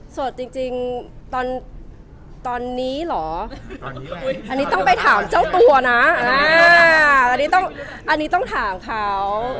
ส่วนจริงตอนนี้หรออันนี้ต้องไปถามเจ้าตัวนะอันนี้ต้องถามเขา